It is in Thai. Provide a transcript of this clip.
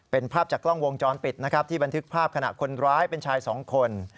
เป็นภาพจากกล้องวงจรปิดนะครับที่บันทึกภาพขณะคนร้ายเป็นชายสองคน